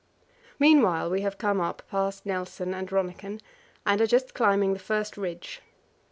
Meanwhile we have come up past Nelson and Rönniken, and are just climbing the first ridge.